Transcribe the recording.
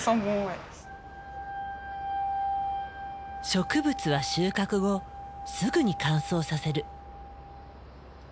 植物は収穫後すぐに乾燥させる。